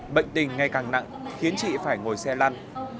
bệnh tình ngày càng nặng khiến chị phải ngồi xe lăn